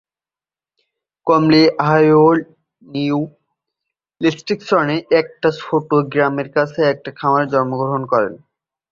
কমলি ওহাইওর নিউ লেক্সিংটনের একটা ছোট্ট গ্রামের কাছে একটা খামারে জন্মগ্রহণ করেন।